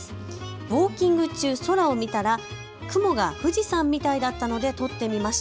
ウォーキング中、空を見たら雲が富士山みたいだったので撮ってみました。